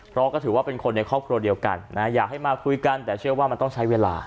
เพราะก็ถือว่าเป็นคนในครอบครัวเดียวกันอยากให้มาคุยกันแต่เชื่อว่ามันต้องใช้เวลา